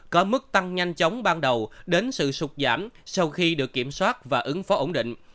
có mức tăng nhanh chóng ban đầu đến sự sụt giảm sau khi được kiểm soát và ứng phó ổn định